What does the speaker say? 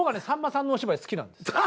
さんまさんのお芝居好きなんです。